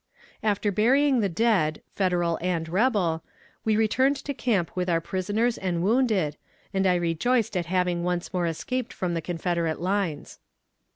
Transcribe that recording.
After burying the dead, Federal and rebel, we returned to camp with our prisoners and wounded, and I rejoiced at having once more escaped from the confederate lines.